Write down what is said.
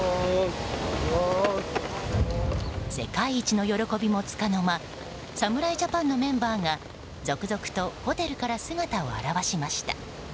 世界一の喜びもつかの間侍ジャパンのメンバーが続々とホテルから姿を現しました。